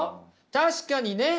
確かにね。